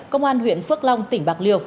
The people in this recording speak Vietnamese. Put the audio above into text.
công an huyện phước long tỉnh bạc liêu